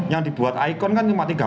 yang dibuat ikon kan cuma tiga puluh